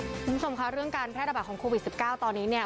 คุณผู้ชมค่ะเรื่องการแพร่ระบาดของโควิด๑๙ตอนนี้เนี่ย